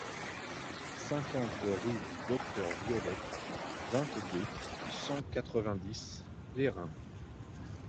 cinquante rue du Docteur Violette, vingt-deux, cent quatre-vingt-dix, Plérin